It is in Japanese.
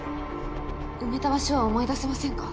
埋めた場所は思い出せませんか？